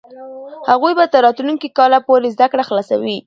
هغوی به تر راتلونکي کاله پورې زده کړې خلاصوي.